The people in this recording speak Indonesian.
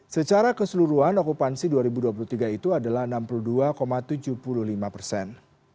secara keseluruhan okupansi dua ribu dua puluh tiga itu adalah enam puluh dua tujuh puluh lima persen